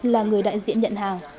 là người đại diện nhận hàng